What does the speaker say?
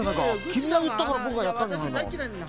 きみがいったからぼくがやったんじゃないか。